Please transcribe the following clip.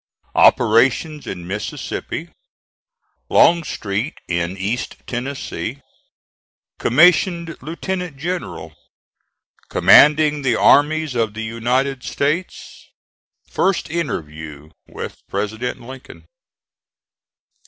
OPERATIONS IN MISSISSIPPI LONGSTREET IN EAST TENNESSEE COMMISSIONED LIEUTENANT GENERAL COMMANDING THE ARMIES OF THE UNITED STATES FIRST INTERVIEW WITH PRESIDENT LINCOLN.